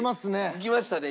いきましたね